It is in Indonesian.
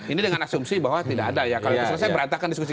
ini dengan asumsi bahwa tidak ada ya kalau itu selesai berantakan diskusi